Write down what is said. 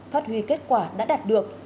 phát huy kết quả đã đạt được